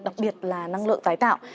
đặc biệt là năng lượng tái tạo